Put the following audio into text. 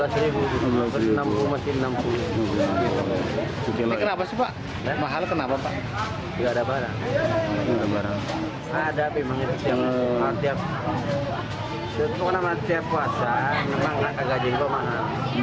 setiap puasa memang harga jengkol mahal